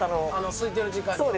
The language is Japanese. すいてる時間に。